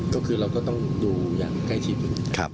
ก็คือเราก็ต้องอยู่อย่างใกล้ชิดอยู่นะครับ